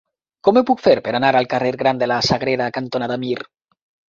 Com ho puc fer per anar al carrer Gran de la Sagrera cantonada Mir?